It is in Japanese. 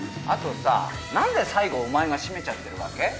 あとさ何で最後お前が締めちゃってるわけ？